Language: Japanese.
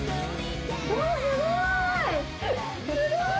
すごい！